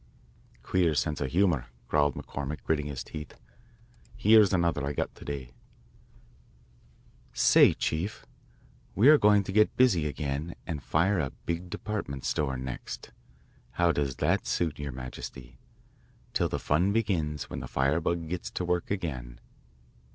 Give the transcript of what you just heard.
"Queer sense of humour," growled McCormick, gritting his teeth. "Here's another I got to day: Say, Chief: We are going to get busy again and fire a big department store next. How does that suit Your Majesty? till the fun begins when the firebug gets to work again.